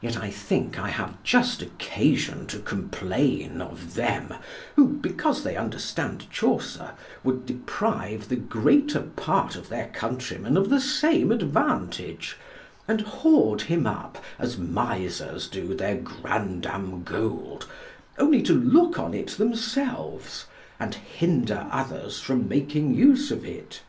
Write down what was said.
Yet I think I have just occasion to complain of them, who, because they understand Chaucer, would deprive the greater part of their countrymen of the same advantage, and hoard him up, as misers do their grandam gold, only to look on it themselves and hinder others from making use of it.